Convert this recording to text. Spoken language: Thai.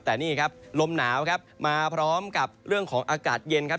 แต่นี่ครับลมหนาวครับมาพร้อมกับเรื่องของอากาศเย็นครับ